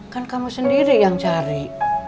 kan kamu sendiri yang cari